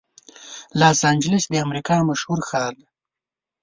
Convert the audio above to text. لاس انجلس د امریکا مشهور ښار دی.